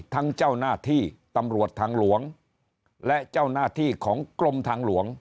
เจ้าหน้าที่ตำรวจทางหลวงและเจ้าหน้าที่ของกรมทางหลวง